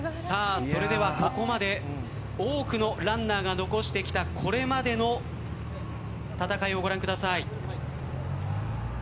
ここまで多くのランナーが残してきたこれまでの戦いをご覧ください。